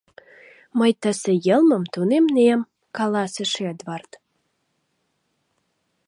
— Мый тысе йылмым тунемнем, — каласыш Эдвард: